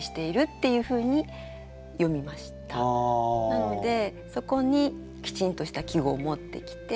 なのでそこにきちんとした季語を持ってきて。